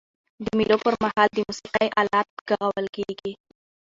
د مېلو پر مهال د موسیقۍ آلات ږغول کيږي.